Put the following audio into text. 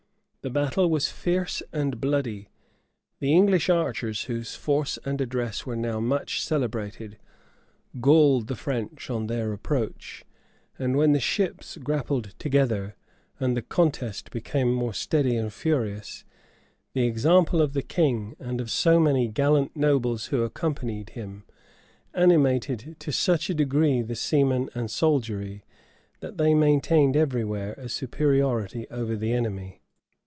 The battle was fierce and bloody: the English archers, whose force and address were now much celebrated, galled the French on their approach: and when the ships grappled together, and the contest became more steady and furious, the example of the king, and of so many gallant nobles who accompanied him, animated to such a degree the seamen and soldiery, that they maintained every where a superiority over the enemy.